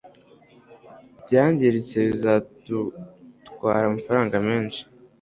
Ibyangiritse bizadutwara amafaranga menshi.